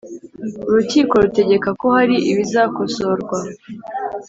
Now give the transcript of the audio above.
Urukiko rutegeka ko hari ibizakosorwa